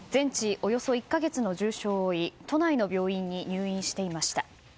およそ１か月の重傷を負い都内の病院に入院していました。